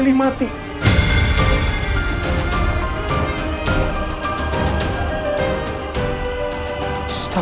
berubah hidup kamu